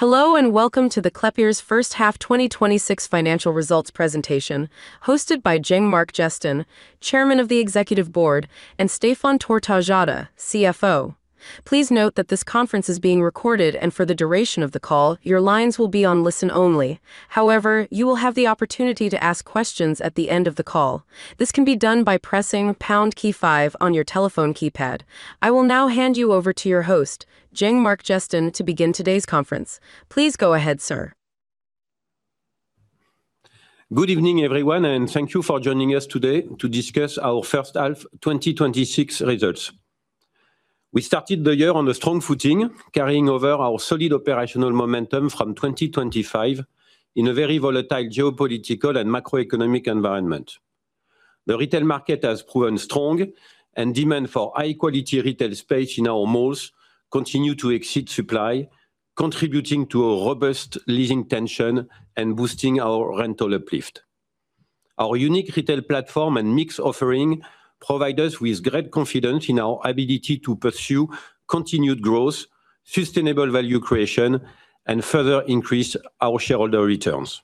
Hello, welcome to the Klépierre's first half 2026 financial results presentation, hosted by Jean-Marc Jestin, Chairman of the Executive Board, and Stéphane Tortajada, CFO. Please note that this conference is being recorded. For the duration of the call, your lines will be on listen only. You will have the opportunity to ask questions at the end of the call. This can be done by pressing pound key five on your telephone keypad. I will now hand you over to your host, Jean-Marc Jestin, to begin today's conference. Please go ahead, sir. Good evening, everyone. Thank you for joining us today to discuss our first half 2026 results. We started the year on a strong footing, carrying over our solid operational momentum from 2025 in a very volatile geopolitical and macroeconomic environment. The retail market has proven strong. Demand for high-quality retail space in our malls continue to exceed supply, contributing to a robust leasing tension and boosting our rental uplift. Our unique retail platform and mixed offering provide us with great confidence in our ability to pursue continued growth, sustainable value creation, and further increase our shareholder returns.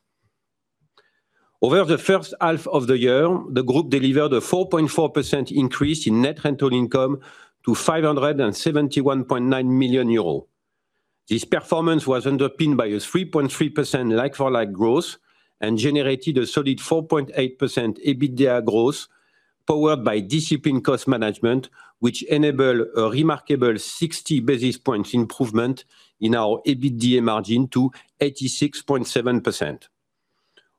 Over the first half of the year, the group delivered a 4.4% increase in net rental income to 571.9 million euros. This performance was underpinned by a 3.3% like-for-like growth. It generated a solid 4.8% EBITDA growth, powered by disciplined cost management, which enabled a remarkable 60 basis points improvement in our EBITDA margin to 86.7%.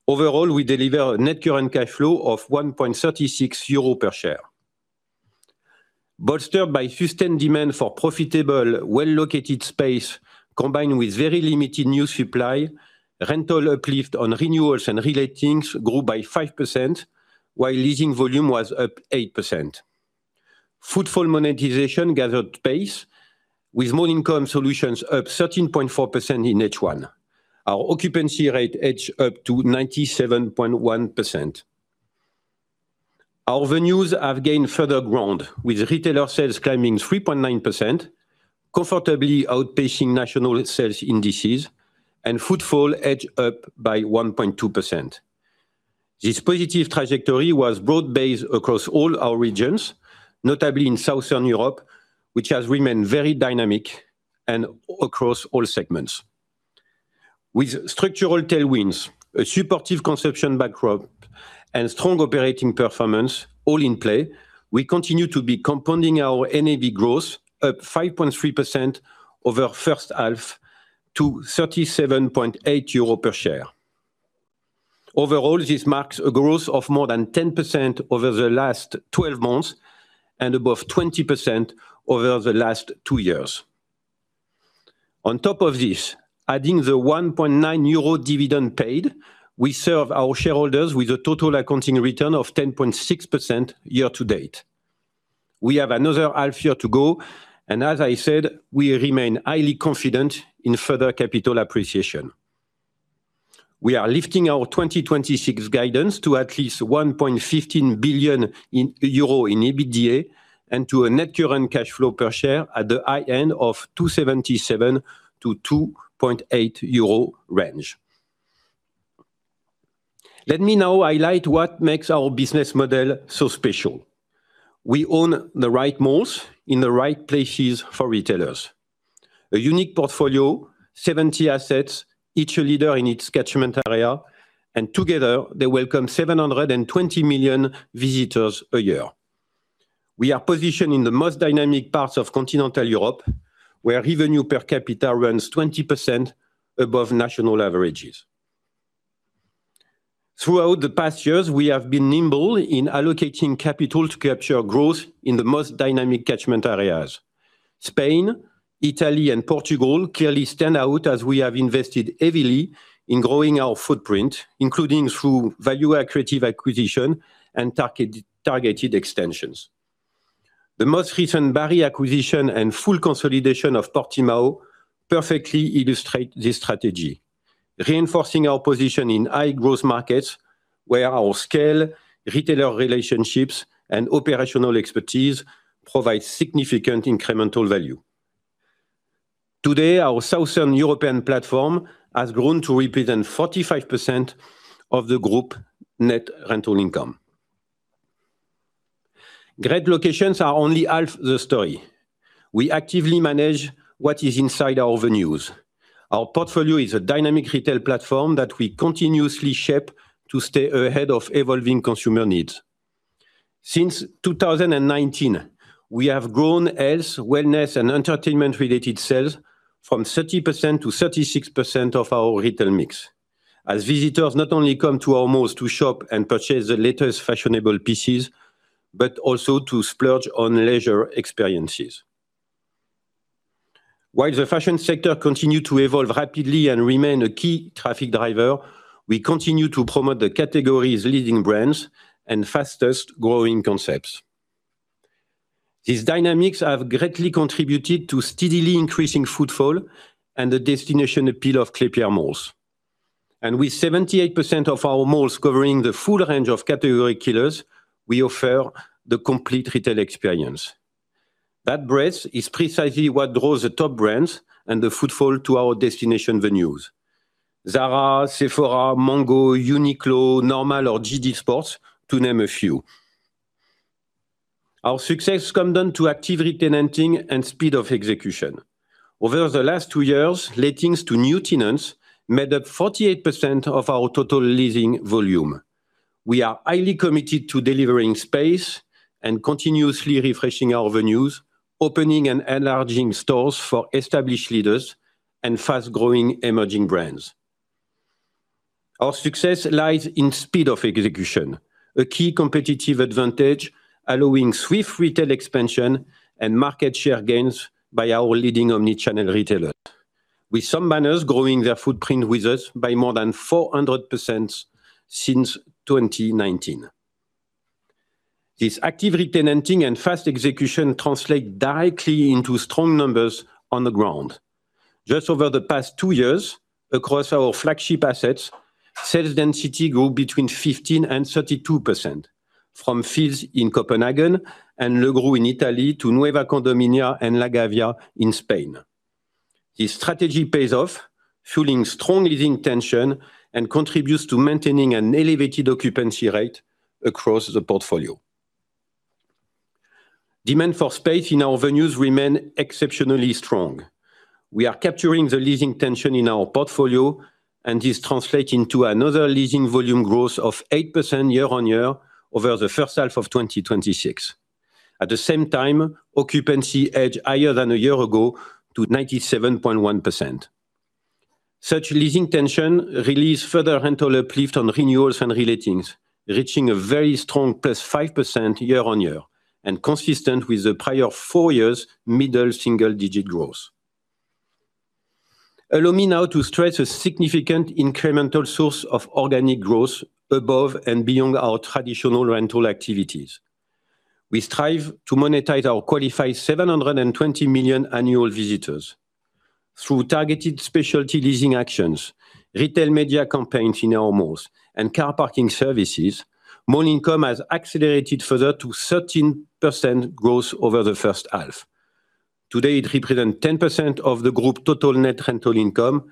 Overall, we deliver net current cash flow of 1.36 euro per share. Bolstered by sustained demand for profitable, well-located space combined with very limited new supply, rental uplift on renewals and reletting grew by 5%, while leasing volume was up 8%. Footfall monetization gathered pace, with mall income solutions up 13.4% in H1. Our occupancy rate edged up to 97.1%. Our venues have gained further ground with retailer sales climbing 3.9%, comfortably outpacing national sales indices. Footfall edged up by 1.2%. This positive trajectory was broad-based across all our regions, notably in Southern Europe, which has remained very dynamic and across all segments. With structural tailwinds, a supportive consumption backdrop, strong operating performance all in play, we continue to be compounding our NAV growth up 5.3% over first half to 37.8 euro per share. Overall, this marks a growth of more than 10% over the last 12 months and above 20% over the last two years. On top of this, adding the 1.9 euro dividend paid, we serve our shareholders with a total accounting return of 10.6% year to date. We have another half year to go. As I said, we remain highly confident in further capital appreciation. We are lifting our 2026 guidance to at least 1.15 billion euro in EBITDA and to a net current cash flow per share at the high end of 2.77-2.8 euro range. Let me now highlight what makes our business model so special. We own the right malls in the right places for retailers. A unique portfolio, 70 assets, each a leader in its catchment area, and together they welcome 720 million visitors a year. We are positioned in the most dynamic parts of continental Europe, where revenue per capita runs 20% above national averages. Throughout the past years, we have been nimble in allocating capital to capture growth in the most dynamic catchment areas. Spain, Italy, and Portugal clearly stand out as we have invested heavily in growing our footprint, including through value accretive acquisition and targeted extensions. The most recent Bari acquisition and full consolidation of Portimão perfectly illustrate this strategy, reinforcing our position in high-growth markets where our scale, retailer relationships, and operational expertise provide significant incremental value. Today, our Southern European platform has grown to represent 45% of the group net rental income. Great locations are only half the story. We actively manage what is inside our venues. Our portfolio is a dynamic retail platform that we continuously shape to stay ahead of evolving consumer needs. Since 2019, we have grown health, wellness, and entertainment-related sales from 30% to 36% of our retail mix as visitors not only come to our malls to shop and purchase the latest fashionable pieces, but also to splurge on leisure experiences. While the fashion sector continue to evolve rapidly and remain a key traffic driver, we continue to promote the category's leading brands and fastest-growing concepts. These dynamics have greatly contributed to steadily increasing footfall and the destination appeal of Klépierre malls. With 78% of our malls covering the full range of category killers, we offer the complete retail experience. That breadth is precisely what draws the top brands and the footfall to our destination venues. Zara, Sephora, Mango, Uniqlo, Normal or JD Sports, to name a few. Our success comes down to active re-tenanting and speed of execution. Over the last two years, lettings to new tenants made up 48% of our total leasing volume. We are highly committed to delivering space and continuously refreshing our venues, opening and enlarging stores for established leaders and fast-growing emerging brands. Our success lies in speed of execution, a key competitive advantage allowing swift retail expansion and market share gains by our leading omni-channel retailers, with some banners growing their footprint with us by more than 400% since 2019. This active re-tenanting and fast execution translate directly into strong numbers on the ground. Just over the past two years, across our flagship assets, sales density grew between 15%-32%, from Field's in Copenhagen and Le Gru in Italy to Nueva Condomina and La Gavia in Spain. This strategy pays off, fueling strong leasing tension, and contributes to maintaining an elevated occupancy rate across the portfolio. Demand for space in our venues remain exceptionally strong. We are capturing the leasing tension in our portfolio, and this translates into another leasing volume growth of 8% year on year over the first half of 2026. At the same time, occupancy edged higher than a year ago to 97.1%. Such leasing tension released further rental uplift on renewals and relettings, reaching a very strong plus 5% year on year and consistent with the prior four years middle single-digit growth. Allow me now to stress a significant incremental source of organic growth above and beyond our traditional rental activities. We strive to monetize our qualified 720 million annual visitors through targeted specialty leasing actions, retail media campaigns in our malls, and car parking services. Mall income has accelerated further to 13% growth over the first half. Today, it represents 10% of the group total net rental income,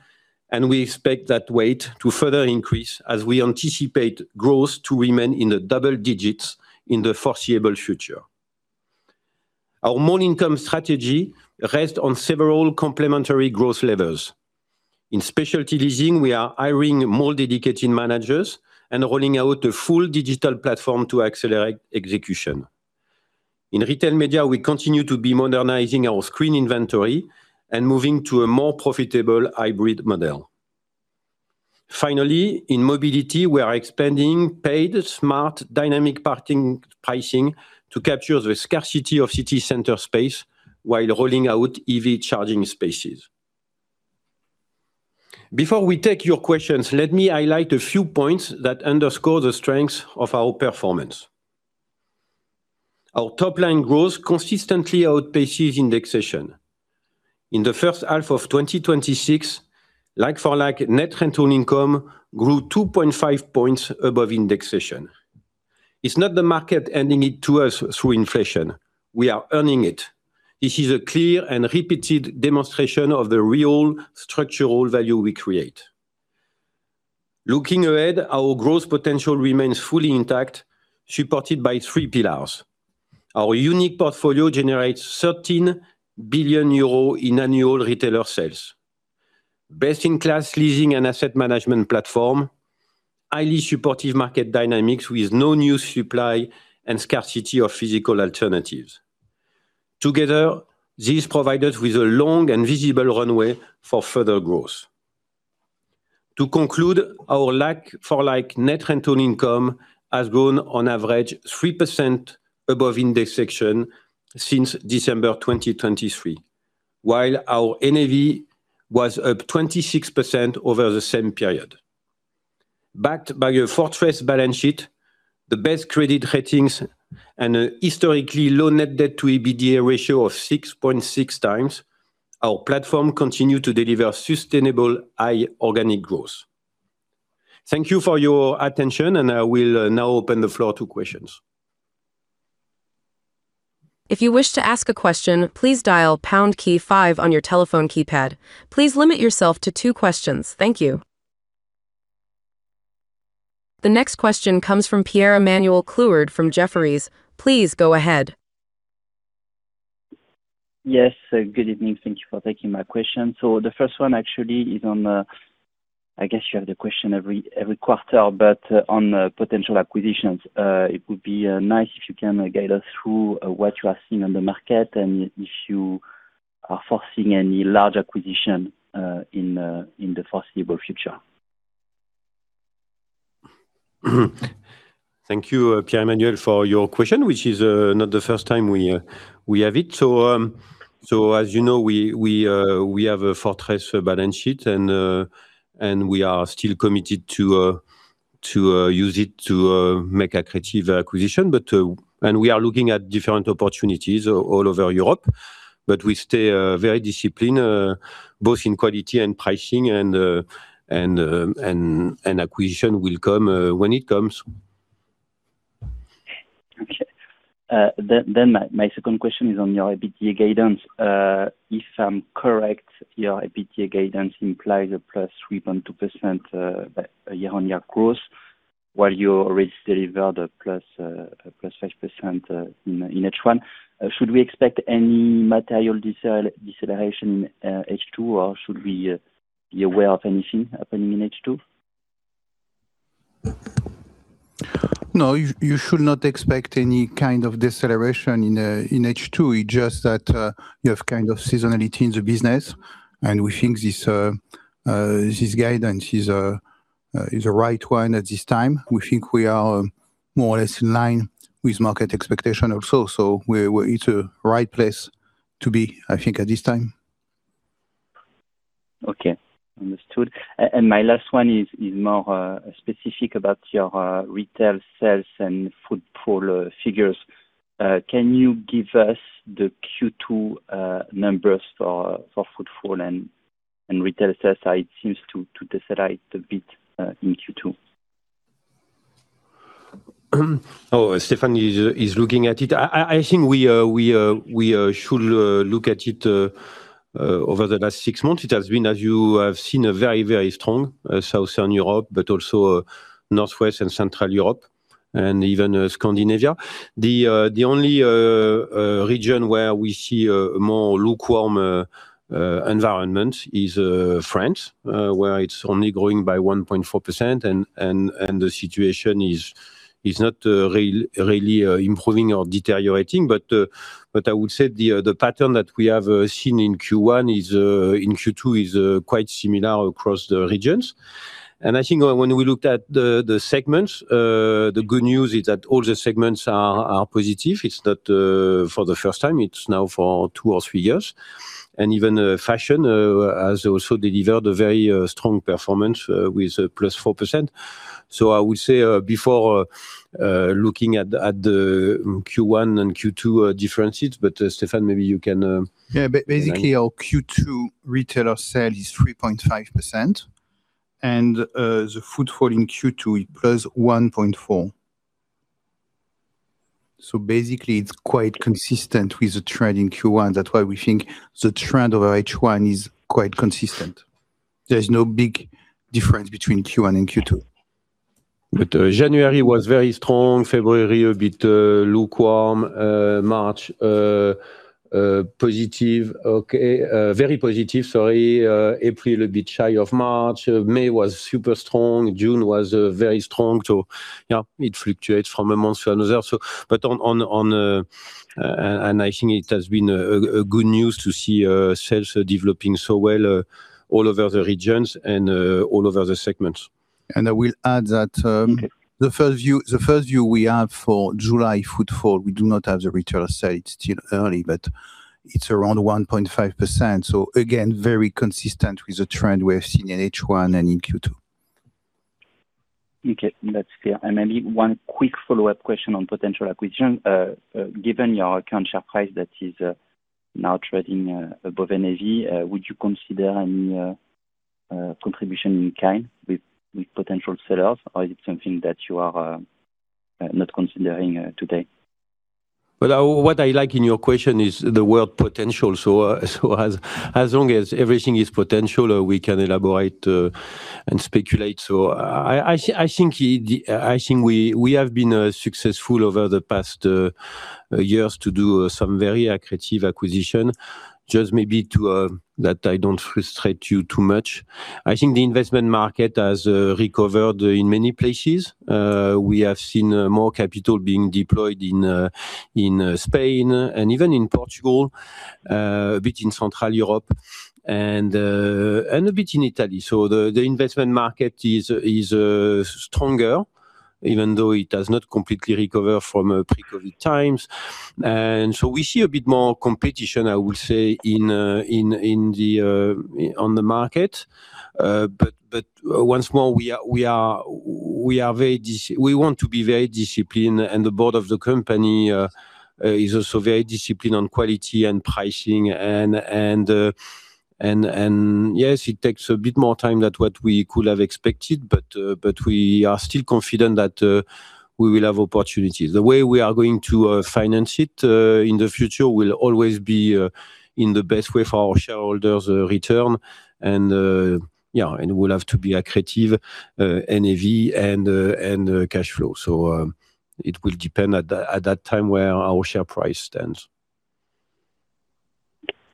and we expect that weight to further increase as we anticipate growth to remain in the double digits in the foreseeable future. Our mall income strategy rests on several complementary growth levers. In specialty leasing, we are hiring more dedicated managers and rolling out a full digital platform to accelerate execution. In retail media, we continue to be modernizing our screen inventory and moving to a more profitable hybrid model. Finally, in mobility, we are expanding paid smart dynamic parking pricing to capture the scarcity of city center space while rolling out EV charging spaces. Before we take your questions, let me highlight a few points that underscore the strengths of our performance. Our top-line growth consistently outpaces indexation. In the first half of 2026, like-for-like net rental income grew 2.5 points above indexation. It's not the market handing it to us through inflation. We are earning it. This is a clear and repeated demonstration of the real structural value we create. Looking ahead, our growth potential remains fully intact, supported by three pillars. Our unique portfolio generates 13 billion euro in annual retailer sales. Best-in-class leasing and asset management platform, highly supportive market dynamics with no new supply and scarcity of physical alternatives. Together, these provide us with a long and visible runway for further growth. To conclude, our like-for-like net rental income has grown on average 3% above indexation since December 2023, while our NAV was up 26% over the same period. Backed by a fortress balance sheet, the best credit ratings, and a historically low net debt to EBITDA ratio of 6.6X, our platform continue to deliver sustainable high organic growth. Thank you for your attention. I will now open the floor to questions. If you wish to ask a question, please dial pound key five on your telephone keypad. Please limit yourself to two questions. Thank you. The next question comes from Pierre-Emmanuel Clouard from Jefferies. Please go ahead. Yes. Good evening. Thank you for taking my question. The first one actually is on, I guess you have the question every quarter, but on potential acquisitions. It would be nice if you can guide us through what you are seeing on the market and if you are foresee any large acquisition in the foreseeable future. Thank you, Pierre-Emmanuel, for your question, which is not the first time we have it. As you know, we have a fortress balance sheet, we are still committed to use it to make accretive acquisition, we are looking at different opportunities all over Europe, we stay very disciplined, both in quality and pricing, acquisition will come when it comes Okay. My second question is on your EBITDA guidance. If I'm correct, your EBITDA guidance implies a +3.2% year-on-year growth, while you already delivered +5% in H1. Should we expect any material deceleration in H2, or should we be aware of anything happening in H2? No, you should not expect any kind of deceleration in H2. It's just that you have seasonality in the business, we think this guidance is the right one at this time. We think we are more or less in line with market expectation also. It's a right place to be, I think, at this time. Okay, understood. My last one is more specific about your retail sales and footfall figures. Can you give us the Q2 numbers for footfall and retail sales? It seems to decelerate a bit in Q2. Stéphane is looking at it. I think we should look at it. Over the last six months, it has been, as you have seen, very strong Southern Europe, also Northwest and Central Europe and even Scandinavia. The only region where we see a more lukewarm environment is France, where it is only growing by 1.4%, and the situation is not really improving or deteriorating. I would say the pattern that we have seen in Q2 is quite similar across the regions. I think when we looked at the segments, the good news is that all the segments are positive. It is not for the first time, it is now for two or three years. Even fashion has also delivered a very strong performance with +4%. I would say, before looking at the Q1 and Q2 differences, Stéphane, maybe you can- Yeah. Basically, our Q2 retail sales is 3.5%, and the footfall in Q2, +1.4%. Basically, it is quite consistent with the trend in Q1. That is why we think the trend over H1 is quite consistent. There is no big difference between Q1 and Q2. January was very strong, February a bit lukewarm, March very positive. April, a bit shy of March. May was super strong. June was very strong. Yeah, it fluctuates from a month to another. I think it has been a good news to see sales developing so well all over the regions and all other segments. I will add that the first view we have for July footfall, we do not have the retail sale. It's still early, but it's around 1.5%. Again, very consistent with the trend we have seen in H1 and in Q2. Okay, that's clear. Maybe one quick follow-up question on potential acquisition. Given your current share price that is now trading above NAV, would you consider any contribution in kind with potential sellers, or is it something that you are not considering today? What I like in your question is the word potential. As long as everything is potential, we can elaborate and speculate. I think we have been successful over the past years to do some very accretive acquisition. Just maybe that I don't frustrate you too much. I think the investment market has recovered in many places. We have seen more capital being deployed in Spain and even in Portugal, a bit in Central Europe, and a bit in Italy. The investment market is stronger, even though it has not completely recovered from pre-COVID times. We see a bit more competition, I would say, on the market. Once more, we want to be very disciplined, and the board of the company is also very disciplined on quality and pricing. Yes, it takes a bit more time than what we could have expected, but we are still confident that we will have opportunities. The way we are going to finance it in the future will always be in the best way for our shareholders' return. It will have to be accretive NAV and cash flow. It will depend at that time where our share price stands.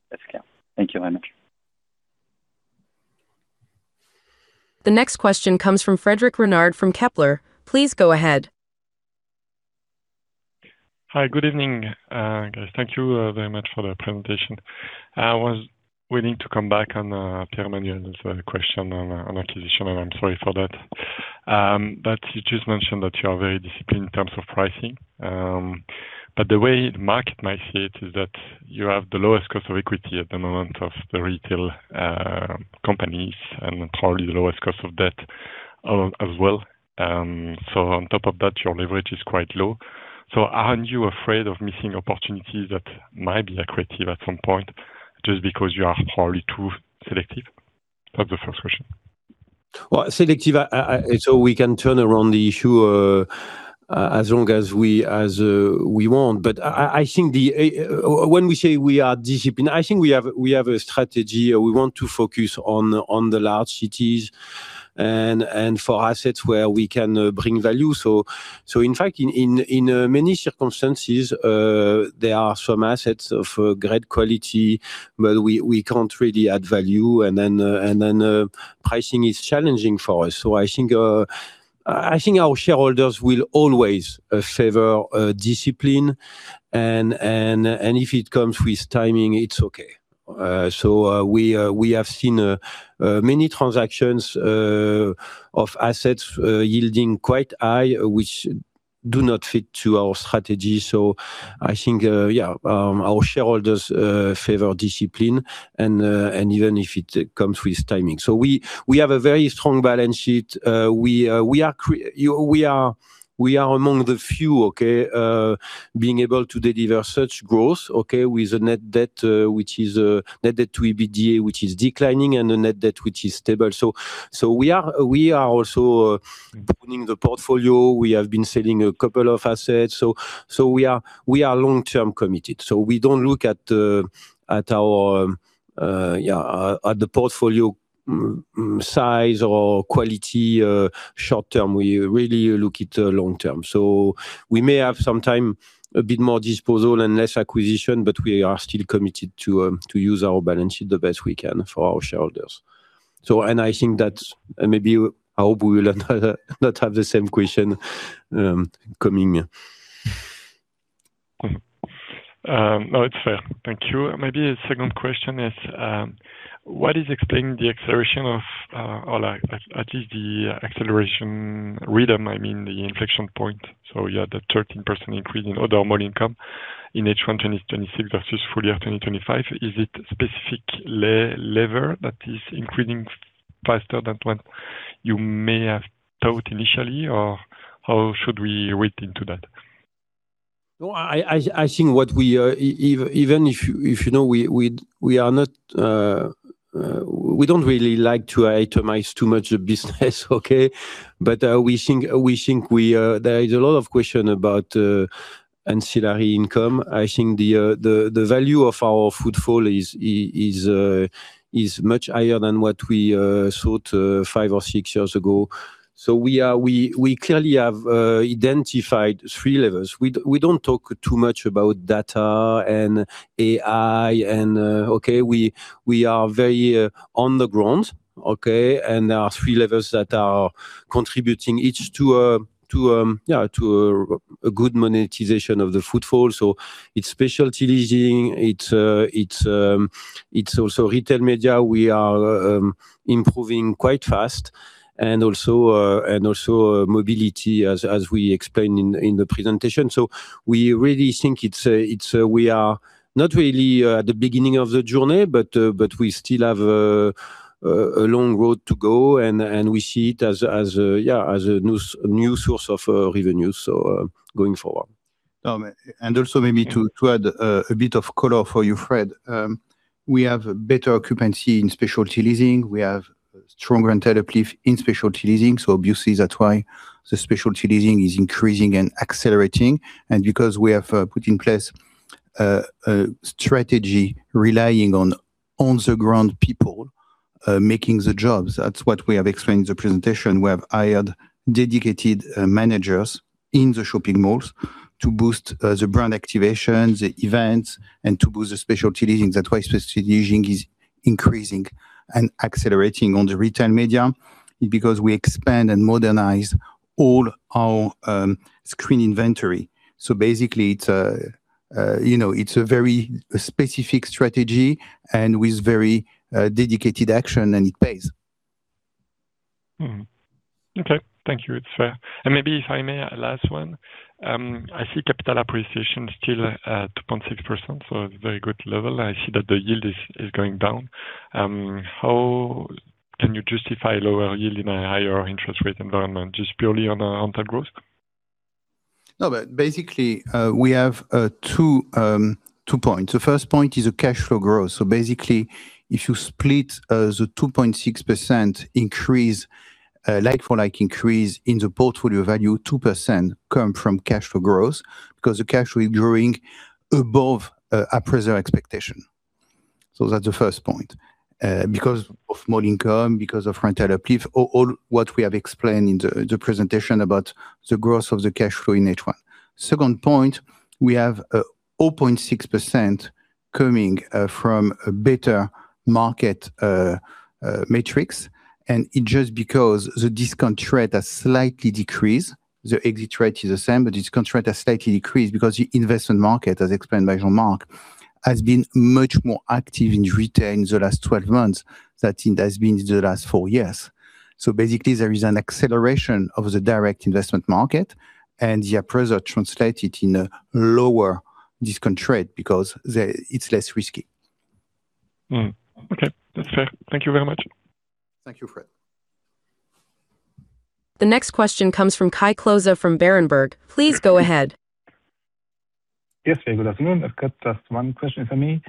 That's clear. Thank you very much. The next question comes from Frédéric Renard from Kepler. Please go ahead. Hi. Good evening. Thank you very much for the presentation. I was willing to come back on Pierre-Emmanuel's question on acquisition. I'm sorry for that. You just mentioned that you are very disciplined in terms of pricing. The way the market might see it is that you have the lowest cost of equity at the moment of the retail companies and probably the lowest cost of debt as well. On top of that, your leverage is quite low. Aren't you afraid of missing opportunities that might be accretive at some point just because you are probably too selective? That's the first question. Selective, so we can turn around the issue as long as we want. I think when we say we are disciplined, I think we have a strategy, or we want to focus on the large cities and for assets where we can bring value. In fact, in many circumstances, there are some assets of great quality where we can't really add value and then pricing is challenging for us. I think our shareholders will always favor discipline and if it comes with timing, it's okay. We have seen many transactions of assets yielding quite high, which do not fit to our strategy. I think, yeah, our shareholders favor discipline and even if it comes with timing. We have a very strong balance sheet. We are among the few, okay. Being able to deliver such growth, okay. With a net debt to EBITDA which is declining and a net debt which is stable. We are also pruning the portfolio. We have been selling a couple of assets. We are long-term committed. We don't look at the portfolio size or quality short-term, we really look it long-term. We may have some time a bit more disposal and less acquisition, but we are still committed to use our balance sheet the best we can for our shareholders. I think that maybe, I hope we will not have the same question coming. No, it's fair. Thank you. A second question is, what is explaining the acceleration of, or at least the acceleration rhythm, I mean, the inflection point. The 13% increase in other monthly income in H1 2026 versus full year 2025. Is it specific lever that is increasing faster than what you may have thought initially, or how should we read into that? No, I think even if we don't really like to itemize too much of business. We think there is a lot of question about ancillary income. I think the value of our footfall is much higher than what we thought five or six years ago. We clearly have identified three levers. We don't talk too much about data and AI. We are very on the ground. There are three levers that are contributing each to a good monetization of the footfall. It's specialty leasing, it's also retail media. We are improving quite fast and also mobility as we explained in the presentation. We really think we are not really at the beginning of the journey, but we still have a long road to go and we see it as a new source of revenue going forward. Also maybe to add a bit of color for you, Fred. We have better occupancy in specialty leasing. We have stronger rental uplift in specialty leasing. Obviously, that's why the specialty leasing is increasing and accelerating. Because we have put in place a strategy relying on the ground people making the jobs, that's what we have explained in the presentation. We have hired dedicated managers in the shopping malls to boost the brand activation, the events, and to boost the specialty leasing. That's why specialty leasing is increasing and accelerating on the retail media because we expand and modernize all our screen inventory. Basically, it's a very specific strategy and with very dedicated action, and it pays. Okay. Thank you. It's fair. Maybe if I may, a last one. I see capital appreciation still at 2.6%, so a very good level. I see that the yield is going down. How can you justify lower yield in a higher interest rate environment? Just purely on the growth? Basically, we have two points. The first point is the cash flow growth. Basically, if you split the 2.6% like-for-like increase in the portfolio value, 2% come from cash flow growth because the cash flow is growing above our present expectation. That's the first point. Because of more income, because of rental uplift, all what we have explained in the presentation about the growth of the cash flow in H1. Second point, we have a 0.6% coming from a better market matrix. Just because the discount rate has slightly decreased, the exit rate is the same, but discount rate has slightly decreased because the investment market, as explained by Jean-Marc Jestin, has been much more active in retail in the last 12 months than it has been in the last four years. Basically, there is an acceleration of the direct investment market and yeah, pressure translated in a lower discount rate because it's less risky. Okay. That's fair. Thank you very much. Thank you, Fred. The next question comes from Kai Klose from Berenberg. Please go ahead. Yes. Very good afternoon. I've got just one question for me.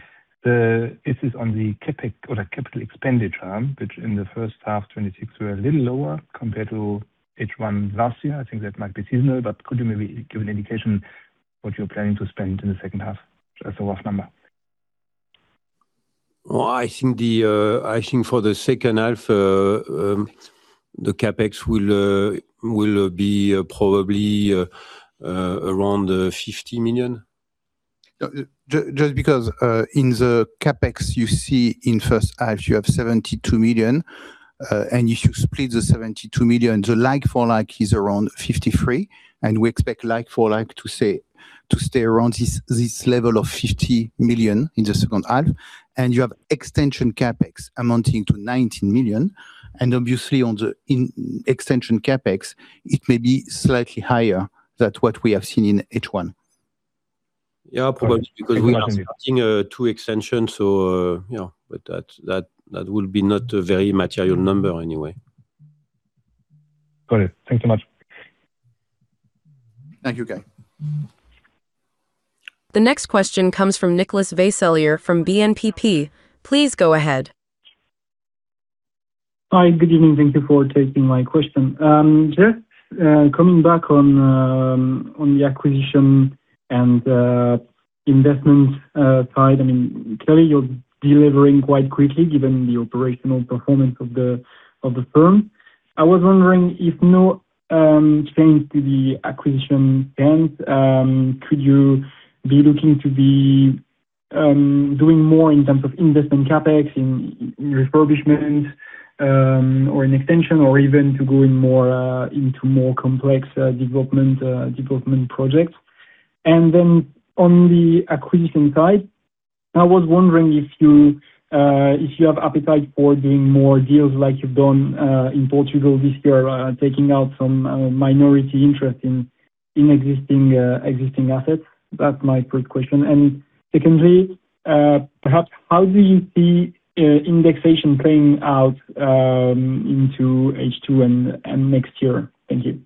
This is on the CapEx or the capital expenditure, which in the first half 2026 were a little lower compared to H1 last year. I think that might be seasonal, but could you maybe give an indication what you're planning to spend in the second half as a rough number? Well, I think for the second half, the CapEx will be probably around 50 million. Just because in the CapEx you see in the first half you have 72 million. If you split the 72 million, the like-for-like is around 53 million, and we expect like-for-like to stay around this level of 50 million in the second half. You have extension CapEx amounting to 19 million, and obviously in extension CapEx, it may be slightly higher than what we have seen in H1. Yeah. Probably because we are starting two extensions, that will be not a very material number anyway. Got it. Thanks so much. Thank you, Kai. The next question comes from Nicolas Vaysselier from BNPP. Please go ahead. Hi. Good evening. Thank you for taking my question. Coming back on the acquisition and investment side, clearly you're delivering quite quickly given the operational performance of the firm. I was wondering if no change to the acquisition plans, could you be looking to be doing more in terms of investment CapEx in refurbishment, or an extension or even to go into more complex development projects? On the acquisition side, I was wondering if you have appetite for doing more deals like you've done in Portugal this year, taking out some minority interest in existing assets. That's my first question. Perhaps how do you see indexation playing out into H2 and next year? Thank you.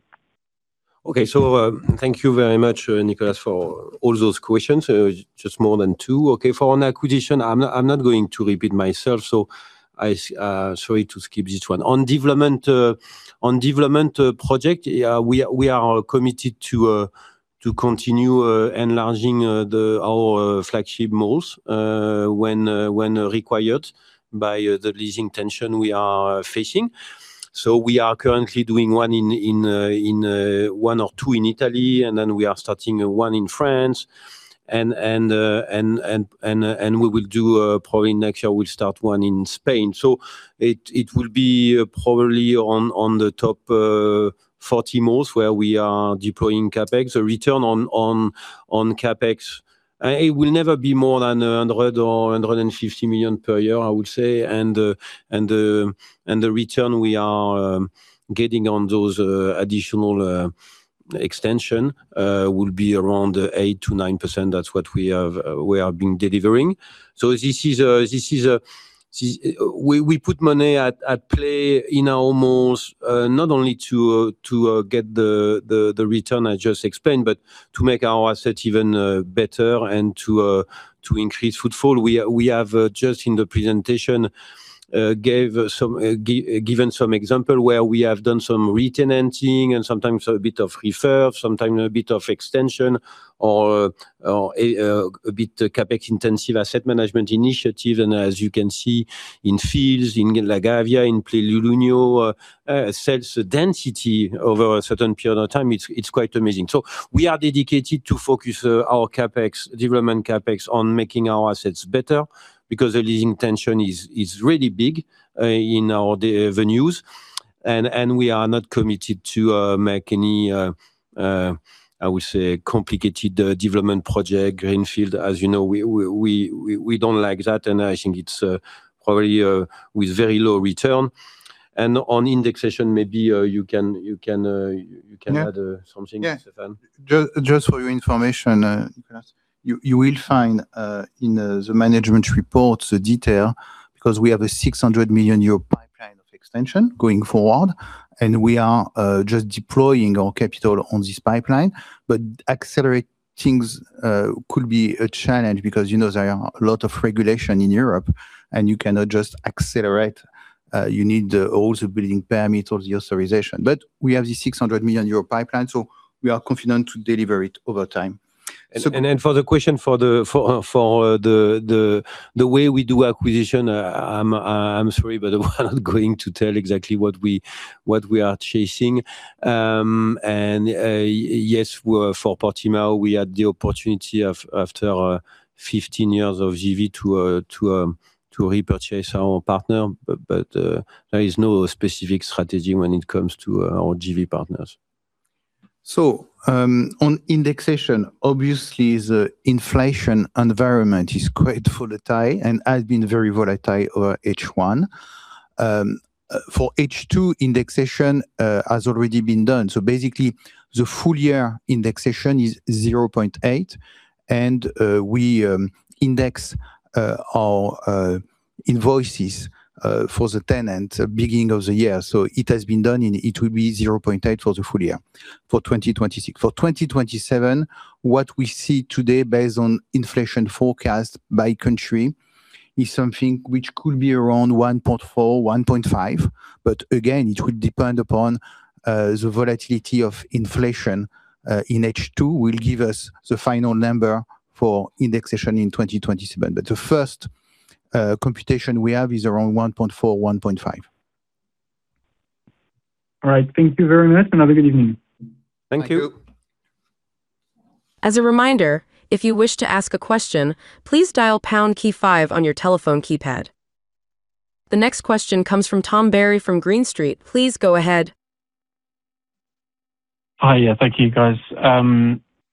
Thank you very much, Nicolas, for all those questions, just more than two. For an acquisition, I'm not going to repeat myself, so sorry to skip this one. On development project, we are committed to continue enlarging our flagship malls when required by the leasing tension we are facing. We are currently doing one or two in Italy, and then we are starting one in France, and probably next year we'll start one in Spain. It will be probably on the top 40 malls where we are deploying CapEx. The return on CapEx, it will never be more than 100 million or 150 million per year, I would say. The return we are getting on that additional extension will be around 8%-9%. That's what we have been delivering. We put money at play in our malls, not only to get the return I just explained, but to make our asset even better and to increase footfall. We have just in the presentation given some example where we have done some re-tenanting and sometimes a bit of refurb, sometimes a bit of extension or a bit CapEx intensive asset management initiative. In Field's, in La Gavia, in Plenilunio, sales density over a certain period of time, it's quite amazing. We are dedicated to focus our development CapEx on making our assets better because the leasing tension is really big in our venues, we are not committed to make any, I would say, complicated development project, greenfield. As you know, we don't like that, and I think it's probably with very low return. On indexation, maybe you can add something, Stéphane. Yes. Just for your information, Nicolas, you will find in the management report the detail, because we have a 600 million euro pipeline of extension going forward, and we are just deploying our capital on this pipeline. Accelerating could be a challenge because there are a lot of regulation in Europe, and you cannot just accelerate. You need all the building permits or the authorization. We have the 600 million euro pipeline, so we are confident to deliver it over time. For the question for the way we do acquisition, I'm sorry, but we're not going to tell exactly what we are chasing. Yes, for Portimão we had the opportunity after 15 years of JV to repurchase our partner. There is no specific strategy when it comes to our JV partners. On indexation, obviously the inflation environment is quite volatile, and has been very volatile over H1. For H2, indexation has already been done. Basically, the full year indexation is 0.8% and we index our Invoices for the tenant beginning of the year. It has been done, and it will be 0.8% for the full year for 2026. For 2027, what we see today, based on inflation forecast by country, is something which could be around 1.4%, 1.5%. Again, it will depend upon the volatility of inflation in H2 will give us the final number for indexation in 2027. The first computation we have is around 1.4%, 1.5%. All right. Thank you very much, and have a good evening. Thank you. Thank you. As a reminder, if you wish to ask a question, please dial pound key five on your telephone keypad. The next question comes from Tom Berry from Green Street. Please go ahead. Hi. Thank you, guys.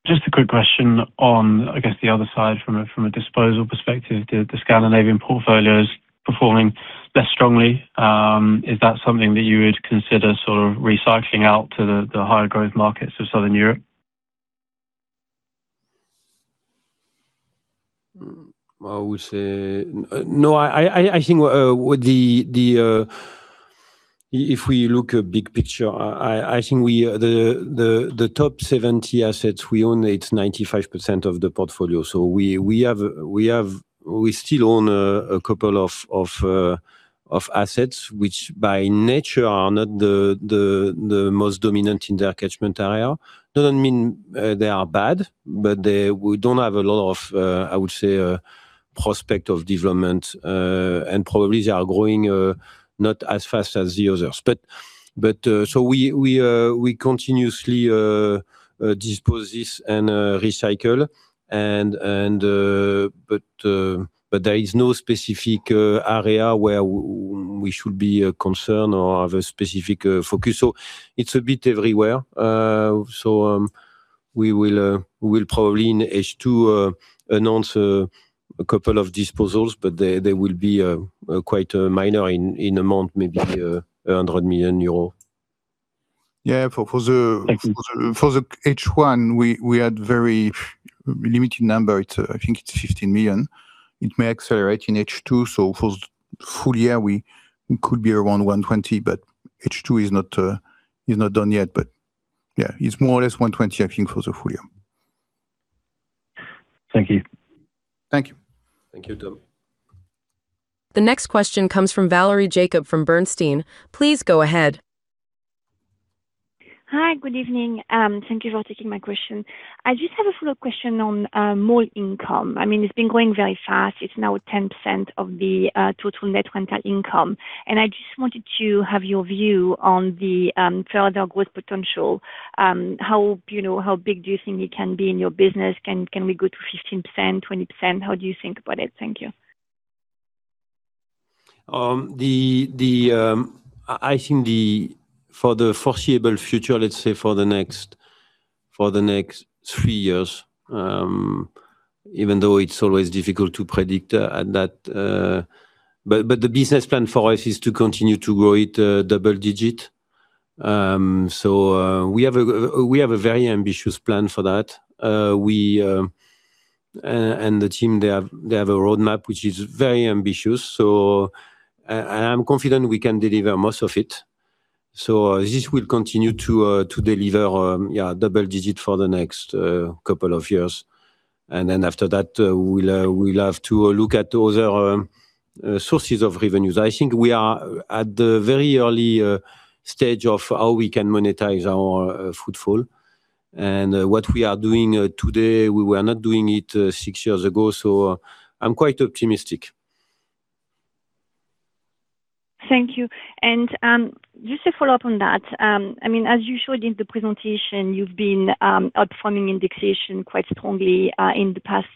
Just a quick question on, I guess the other side from a disposal perspective. The Scandinavian portfolio is performing less strongly, is that something that you would consider sort of recycling out to the higher growth markets of Southern Europe? Well, I would say no. I think if we look a big picture, I think the top 70 assets we own, it's 95% of the portfolio. We still own a couple of assets, which by nature are not the most dominant in their catchment area. Doesn't mean they are bad, but we don't have a lot of, I would say, prospect of development, and probably they are growing not as fast as the others. We continuously dispose this and recycle, but there is no specific area where we should be concerned or have a specific focus. It's a bit everywhere. We will probably in H2 announce a couple of disposals, but they will be quite minor in amount, maybe 100 million euros. Yeah. Thank you. For the H1, we had very limited number. I think it's 15 million. It may accelerate in H2, so for full year we could be around 120 million, but H2 is not done yet. Yeah, it's more or less 120 million, I think, for the full year. Thank you. Thank you. Thank you, Tom. The next question comes from Valerie Jacob from Bernstein. Please go ahead. Hi. Good evening. Thank you for taking my question. I just have a follow-up question on mall income. It's been growing very fast. It's now at 10% of the total net rental income. I just wanted to have your view on the further growth potential. How big do you think it can be in your business? Can we go to 15%-20%? How do you think about it? Thank you. I think for the foreseeable future, let's say for the next three years, even though it's always difficult to predict at that. The business plan for us is to continue to grow it double digit. We have a very ambitious plan for that. We and the team, they have a roadmap, which is very ambitious. I am confident we can deliver most of it. This will continue to deliver double digit for the next couple of years. After that, we'll have to look at other sources of revenues. I think we are at the very early stage of how we can monetize our footfall. What we are doing today, we were not doing it six years ago, I'm quite optimistic. Thank you. Just to follow up on that, as you showed in the presentation, you've been outperforming indexation quite strongly in the past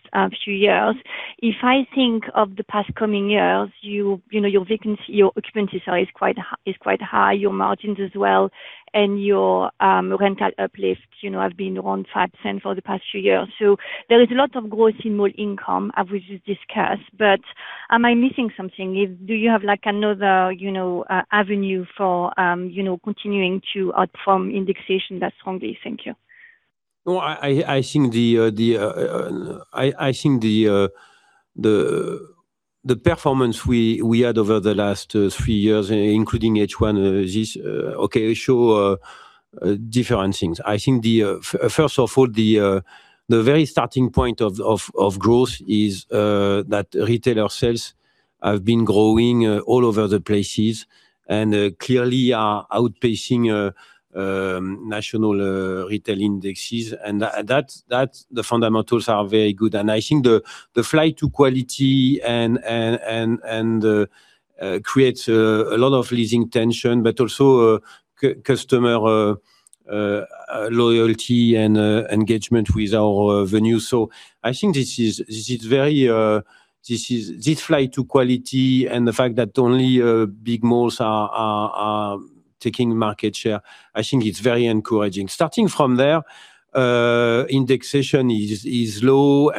few years. If I think of the past coming years, your vacancy, your occupancy size is quite high, your margins as well, and your rental uplifts have been around 5% for the past few years. There is a lot of growth in mall income as we just discussed, but am I missing something? Do you have another avenue for continuing to outperform indexation that strongly? Thank you. No, I think the performance we had over the last three years, including H1, this show different things. I think first of all, the very starting point of growth is that retail ourselves have been growing all over the places and clearly are outpacing national retail indexes. The fundamentals are very good. I think the flight to quality creates a lot of leasing tension, but also customer loyalty and engagement with our venue. I think this flight to quality and the fact that only big malls are taking market share, I think it's very encouraging. Starting from there, indexation is low,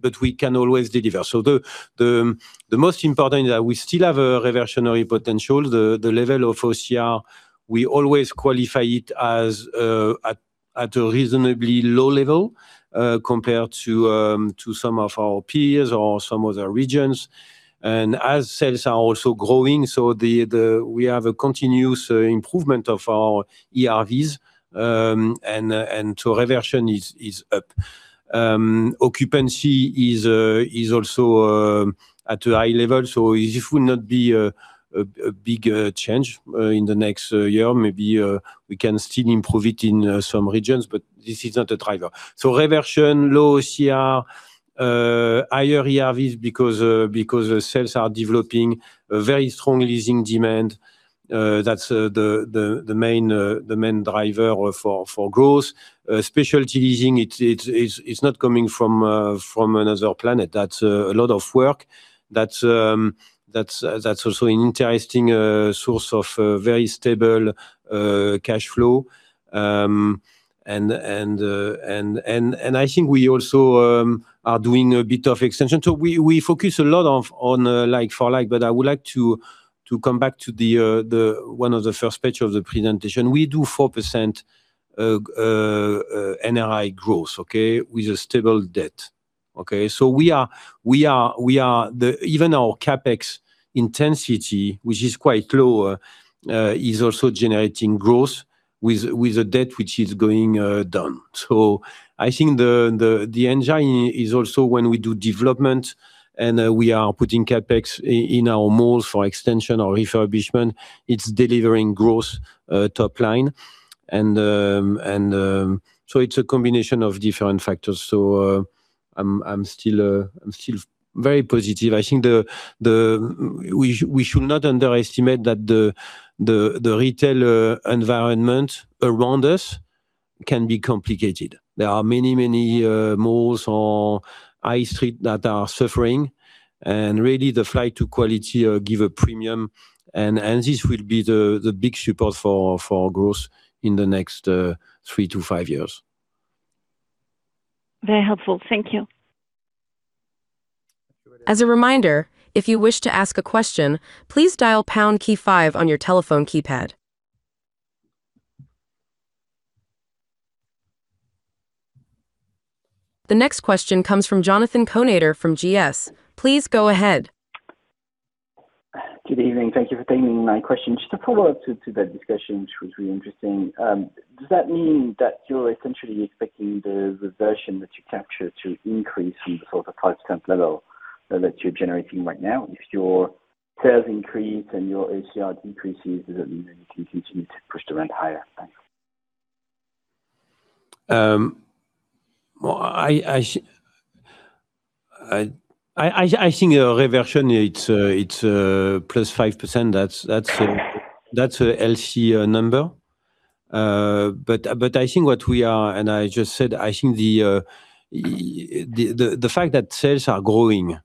but we can always deliver. The most important is that we still have a reversionary potential. The level of OCR, we always qualify it as at a reasonably low level compared to some of our peers or some other regions. As sales are also growing, we have a continuous improvement of our ERVs, reversion is up. Occupancy is also at a high level, it will not be a big change in the next year. Maybe we can still improve it in some regions, this is not a driver. Reversion, low OCR, higher ERVs because sales are developing a very strong leasing demand. That's the main driver for growth. Specialty leasing, it's not coming from another planet. That's a lot of work. That's also an interesting source of very stable cash flow. I think we also are doing a bit of extension. We focus a lot on like-for-like, I would like to come back to one of the first page of the presentation. We do 4% NRI growth, okay? With a stable debt. Even our CapEx intensity, which is quite low is also generating growth with a debt which is going down. I think the engine is also when we do development, we are putting CapEx in our malls for extension or refurbishment, it's delivering growth top line. It's a combination of different factors. I'm still very positive. I think we should not underestimate that the retail environment around us can be complicated. There are many malls or high street that are suffering, really the flight to quality give a premium, this will be the big support for growth in the next three to five years. Very helpful. Thank you. As a reminder, if you wish to ask a question, please dial pound key five on your telephone keypad. The next question comes from Jonathan Kownator from GS. Please go ahead. Good evening. Thank you for taking my question. Just a follow-up to the discussion, which was really interesting. Does that mean that you're essentially expecting the reversion that you capture to increase from sort of the 5% level that you're generating right now? If your sales increase and your OCR decreases, does that mean that you can continue to push the rent higher? Thanks. I think reversion, it's +5%. That's a healthy number. I think what we are, and I just said, I think the fact that sales are growing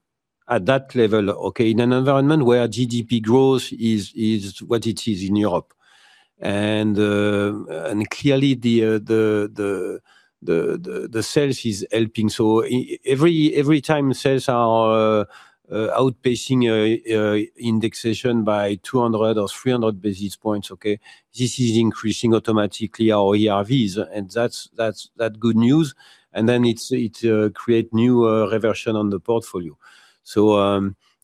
at that level, okay, in an environment where GDP growth is what it is in Europe. Clearly the sales is helping. Every time sales are outpacing indexation by 200 or 300 basis points, okay, this is increasing automatically our ERVs, and that good news. Then it create new reversion on the portfolio.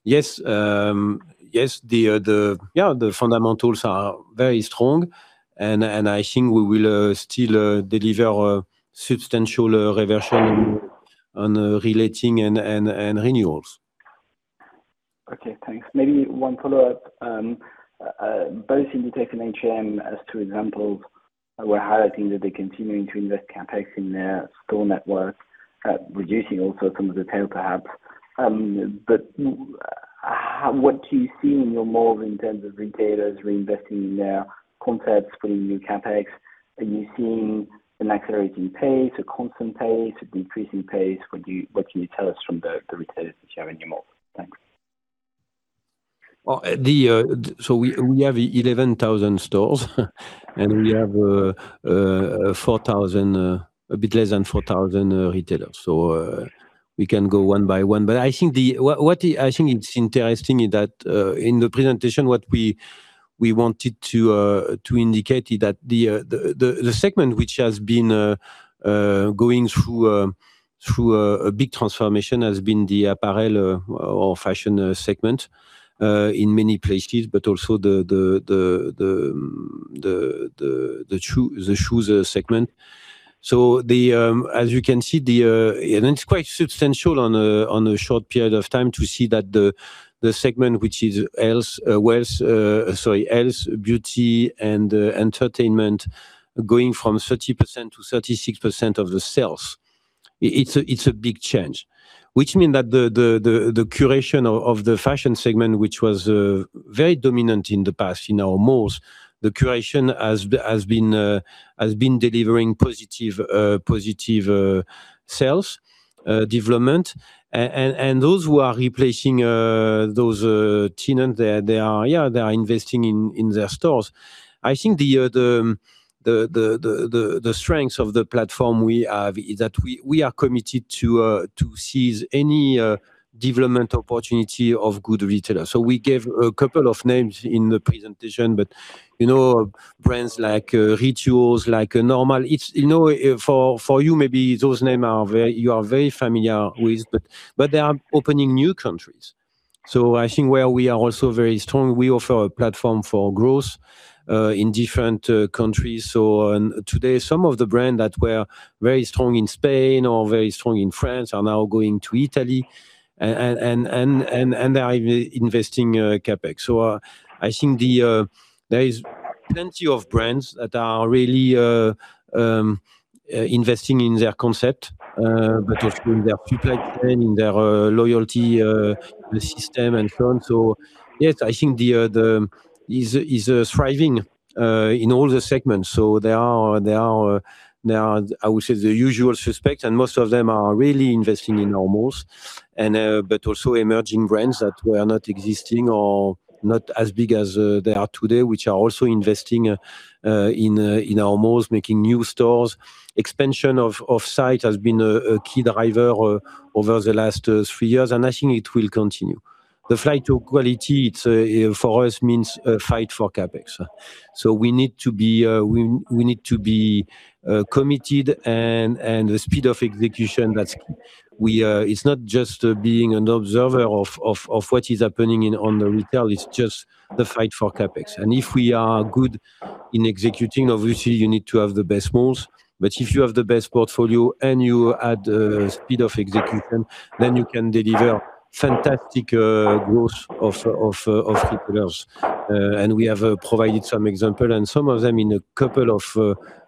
Yes. The fundamentals are very strong, and I think we will still deliver substantial reversion on relating and renewals. Okay, thanks. Maybe one follow-up. Both Inditex and H&M as two examples were highlighting that they're continuing to invest CapEx in their store networks, reducing also some of the tail perhaps. What do you see in your malls in terms of retailers reinvesting in their concepts, putting new CapEx? Are you seeing an accelerating pace, a constant pace, a decreasing pace? What can you tell us from the retailers that you have in your malls? Thanks. We have 11,000 stores and we have a bit less than 4,000 retailers. We can go one by one. I think it's interesting is that in the presentation what we wanted to indicate is that the segment which has been going through a big transformation has been the apparel or fashion segment in many places, but also the shoes segment. As you can see, and it's quite substantial on a short period of time to see that the segment which is health, beauty, and entertainment going from 30% to 36% of the sales. It's a big change. Which mean that the curation of the fashion segment, which was very dominant in the past in our malls, the curation has been delivering positive sales development. Those who are replacing those tenants, they are investing in their stores. I think the strength of the platform we have is that we are committed to seize any development opportunity of good retailers. We gave a couple of names in the presentation, but brands like Rituals, like Normal. For you maybe those names you are very familiar with, but they are opening new countries. I think where we are also very strong, we offer a platform for growth in different countries. Today, some of the brands that were very strong in Spain or very strong in France are now going to Italy and they are investing in CapEx. I think there is plenty of brands that are really investing in their concept, but also in their footprint, in their loyalty system and so on. Yes, I think it is thriving in all the segments. There are, I would say, the usual suspects, and most of them are really investing in our malls, but also emerging brands that were not existing or not as big as they are today, which are also investing in our malls, making new stores. Expansion of off-site has been a key driver over the last three years, and I think it will continue. The flight to quality for us means a fight for CapEx. We need to be committed and the speed of execution, it's not just being an observer of what is happening in retail, it's just the fight for CapEx. If we are good in executing, obviously, you need to have the best malls, but if you have the best portfolio and you add speed of execution, you can deliver fantastic growth of retailers. We have provided some examples, and some of them in a couple of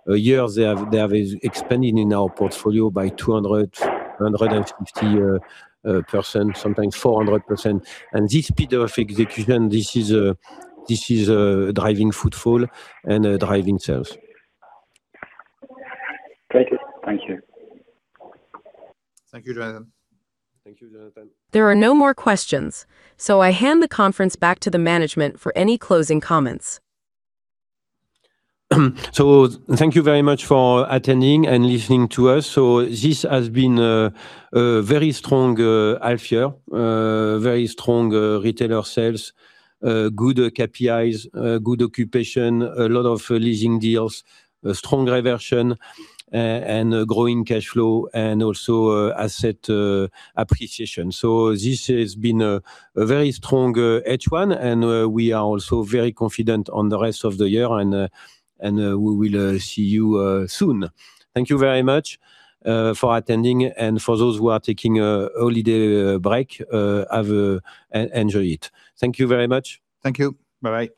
years, they have expanded in our portfolio by 200, 150%, sometimes 400%. This speed of execution, this is driving footfall and driving sales. Thank you. Thank you, Jonathan. Thank you, Jonathan. There are no more questions, I hand the conference back to the management for any closing comments. Thank you very much for attending and listening to us. This has been a very strong half year. Very strong retailer sales, good KPIs, good occupation, a lot of leasing deals, strong reversion, and growing cash flow and also asset appreciation. This has been a very strong H1 and we are also very confident on the rest of the year, and we will see you soon. Thank you very much for attending and for those who are taking a holiday break, enjoy it. Thank you very much. Thank you. Bye-bye